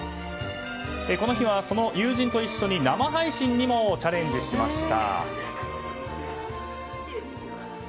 この日はその友人と一緒に生配信にもチャレンジしました。